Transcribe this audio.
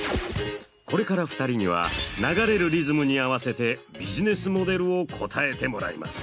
これから２人には流れるリズムに合わせてビジネスモデルを答えてもらいます。